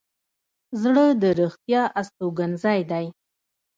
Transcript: زړه د رښتیا استوګنځی دی.